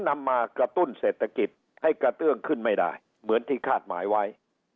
นำมากระตุ้นเศรษฐกิจให้กระเตื้องขึ้นไม่ได้เหมือนที่คาดหมายไว้